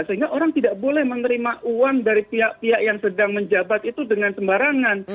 sehingga orang tidak boleh menerima uang dari pihak pihak yang sedang menjabat itu dengan sembarangan